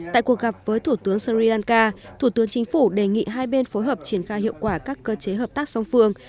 tại cuộc gặp với thủ tướng sri lanka thủ tướng chính phủ đề nghị hai bên phối hợp triển khai hiệu quả các cơ chế hợp tác song phương